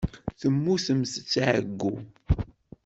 Temmutemt seg ɛeyyu.